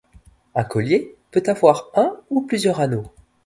Un collier peut avoir un ou plusieurs anneaux.